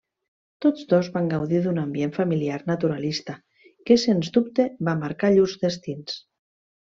Tots dos van gaudir d'un ambient familiar naturalista que sens dubte va marcar llurs destins.